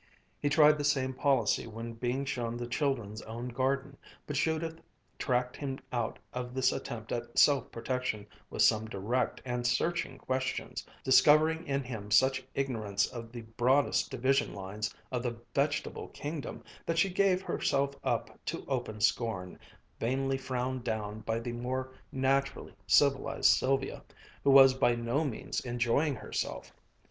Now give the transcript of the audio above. He tried the same policy when being shown the children's own garden, but Judith tracked him out of this attempt at self protection with some direct and searching questions, discovering in him such ignorance of the broadest division lines of the vegetable kingdom that she gave herself up to open scorn, vainly frowned down by the more naturally civilized Sylvia, who was by no means enjoying herself.